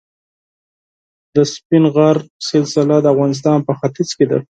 د سپین غر سلسله د افغانستان په ختیځ کې ده.